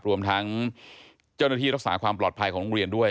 รวมทั้งเจ้าหน้าที่รักษาความปลอดภัยของโรงเรียนด้วย